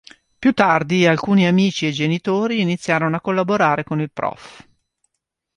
Più tardi alcuni amici e genitori iniziarono a collaborare con il prof..